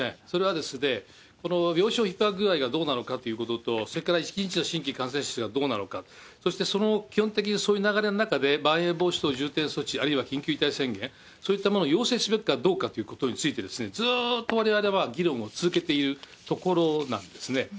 それは、この病床ひっ迫具合がどうなのかということと、それから１日の新規感染者がどうなのか、そして、その基本的にそういう流れの中でまん延防止等重点措置、あるいは緊急事態宣言、そういったものを要請すべきかどうかということについて、ずーっとわれわれは議論を続けているところなんですね。